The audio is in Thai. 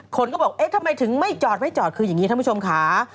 คนก็บอกทำไมถึงไม่จอดคืออย่างนี้ท่านผู้ชมค่ะ